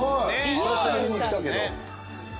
久しぶりに来たけど。